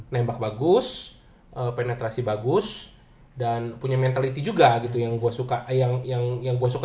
nembak bagus penetrasi bagus dan punya mentaliti juga gitu yang gue suka